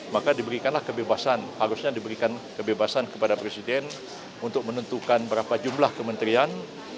maka diberikanlah kebebasan harusnya diberikan kebebasan kepada presiden untuk menentukan berapa jumlah kementerian